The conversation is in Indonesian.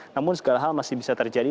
namun segala hal masih bisa terjadi